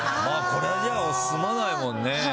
これじゃ済まないもんね。